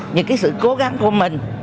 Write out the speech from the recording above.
những cái sự cố gắng của mình